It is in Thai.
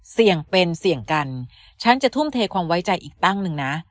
เสี่ยงเป็นเสี่ยงกันฉันจะทุ่มเทความไว้ใจอีกตั้งหนึ่งนะ